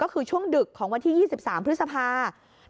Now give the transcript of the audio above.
ก็คือช่วงดึกของวันที่๒๓พฤษภา